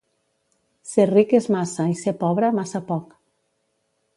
Ser ric és massa i ser pobre, massa poc.